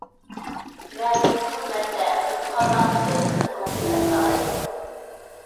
مەنىسىز خىزمەتتە سىز قانداقمۇ ئۆز قىممىتىڭىزنى يارىتالايسىز.